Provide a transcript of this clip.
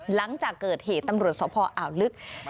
หลังจากเกิดเหตุตำรวจสภอ่าวลึก